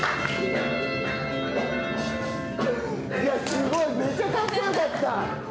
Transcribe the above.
すごいめちゃかっこよかった。